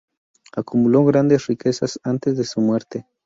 Acumuló grandes riquezas antes de su muerte.